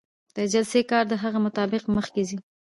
د جلسې کار د هغې مطابق مخکې ځي.